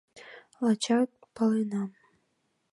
Лачак паленам.